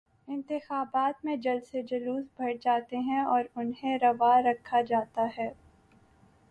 انتخابات میں جلسے جلوس بڑھ جاتے ہیں اور انہیں روا رکھا جاتا ہے۔